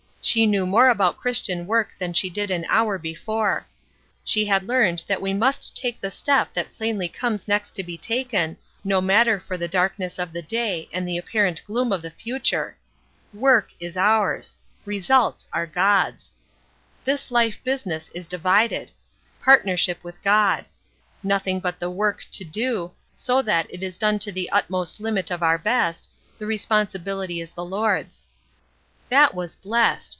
She knew more about Christian work than she did an hour before. She had learned that we must take the step that plainly comes next to be taken, no matter for the darkness of the day and the apparent gloom of the future. Work is ours; results are God's. This life business is divided. Partnership with God. Nothing but the work to do; so that it is done to the utmost limit of our best, the responsibility is the Lord's. That was blessed!